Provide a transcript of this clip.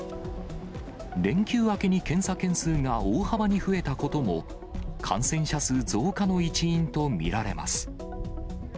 連休明けに検査件数が大幅に増えたことも、感染者数増加の一因と見られます。